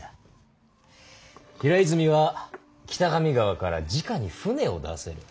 平泉は北上川からじかに船を出せる。